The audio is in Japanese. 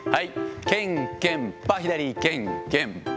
けんけんぱ、左、けんけんぱ。